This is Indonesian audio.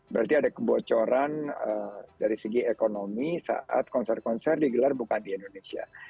berarti ada kebocoran dari segi ekonomi saat konser konser digelar bukan di indonesia